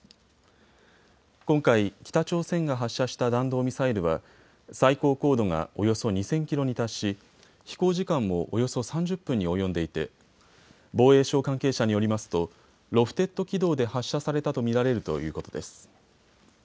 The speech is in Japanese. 今回、北朝鮮が発射した弾道ミサイルは最高高度がおよそ２０００キロに達し飛行時間もおよそ３０分に及んでいて防衛省関係者によりますとロフテッド軌道で発射されたと見られるということです。